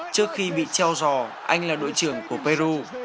trước khi bị treo giò anh là đội trưởng của peru